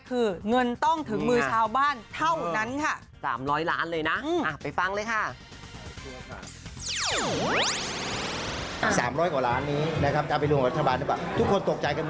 คือเงินต้องถึงมือชาวบ้านเท่านั้นค่ะ